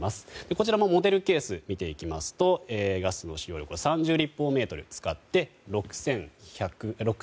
こちらもモデルケースを見ていきますと、ガスの使用量３０立方メートル使って６４６１円。